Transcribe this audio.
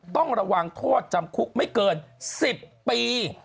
ต้องระวังโทษจำคุกไม่เกิน๑๐ปี